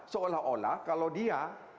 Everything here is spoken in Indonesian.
seolah olah kalau dia